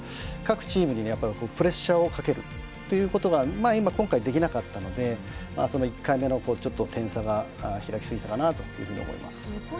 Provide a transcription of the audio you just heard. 各チームにプレッシャーをかけるということは今回できなかったので１回目のちょっと点差が開きすぎたかなと思います。